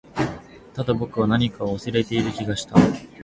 ただ、僕は何かを忘れている気がした